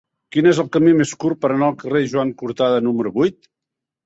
Quin és el camí més curt per anar al carrer de Joan Cortada número vuit?